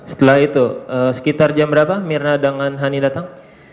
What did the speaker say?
setelah itu sekitar jam berapa mirna dengan hani datang